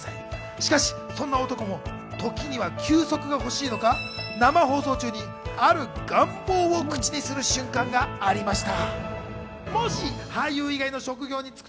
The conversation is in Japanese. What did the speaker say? しかし、そんな男も時には休息が欲しいのか、生放送中にある願望を口にする瞬間がありました。